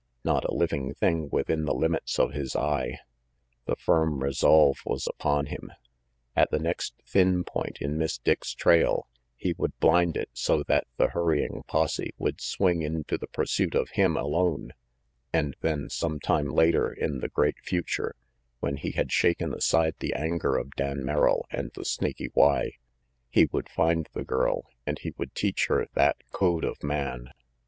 Not a living thing within the limits of his eye. The firm resolve was upon him. At the next thin point in Miss Dick's trail, he would blind it so that the hurrying posse would swing into the pursuit of him alone, and then, some RANGY PETE 277 time later in the great future, when he had shaken aside the anger of Dan Merrill and the Snaky Y, he would find the girl, and he would teach her that code of man.